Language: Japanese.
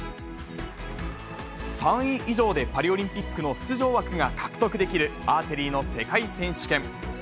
３位以上でパリオリンピックの出場枠が獲得できるアーチェリーの世界選手権。